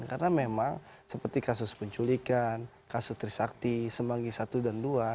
karena memang seperti kasus penculikan kasus trisakti semanggi satu dan dua